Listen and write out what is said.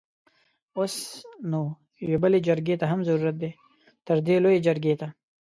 اوس نو يوې بلې جرګې ته هم ضرورت دی؛ تردې لويې جرګې ته!